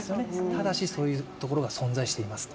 ただし、そういうところが存在していますと。